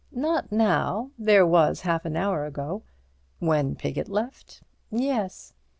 "Not now; there was half an hour ago." "When Piggott left?" "Yes."